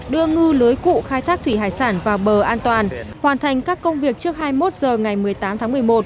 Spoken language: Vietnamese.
đưa ngư lưới cụ khai thác thủy hải sản vào bờ an toàn hoàn thành các công việc trước hai mươi một h ngày một mươi tám tháng một mươi một